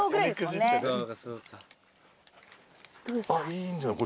いいんじゃない？